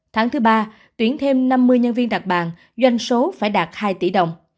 tháng thứ ba tuyển thêm năm mươi nhân viên đặt bàn doanh số phải đạt hai tỷ đồng